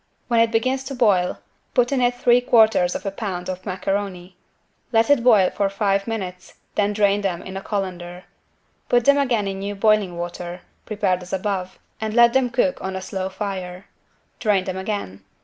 When it begins to boil put in it 3/4 lb. macaroni. Let it boil for five minutes, then drain them in a colander. Put them again in new boiling water, prepared as above and let them cook on a slow fire. Drain them again.